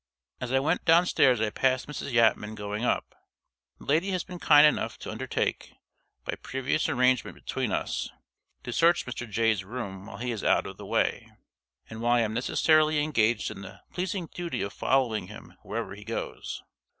As I went downstairs I passed Mrs. Yatman going up. The lady has been kind enough to undertake, by previous arrangement between us, to search Mr. Jay's room while he is out of the way, and while I am necessarily engaged in the pleasing duty of following him wherever he goes.